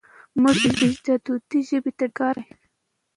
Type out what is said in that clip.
زموږ اجدادو دې ژبې ته ډېر کار کړی.